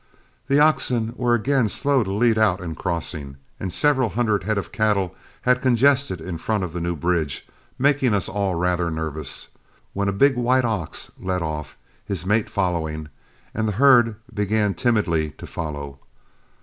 The oxen were again slow to lead out in crossing, and several hundred head of cattle had congested in front of the new bridge, making us all rather nervous, when a big white ox led off, his mate following, and the herd began timidly to follow.